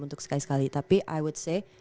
untuk sekali sekali tapi i wow say